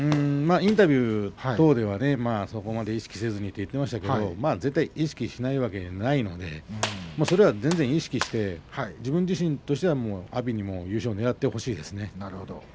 インタビューなどではそこまで意識せずにと言っていましたけれども絶対に意識しないわけはないのでそれは意識して自分自身としては阿炎にも優勝をねらってほしいですね。